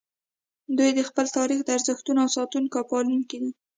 دوی د خپل تاریخ او ارزښتونو ساتونکي او پالونکي دي